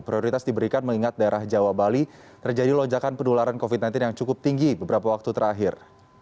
prioritas diberikan mengingat daerah jawa bali terjadi lonjakan penularan covid sembilan belas yang cukup tinggi beberapa waktu terakhir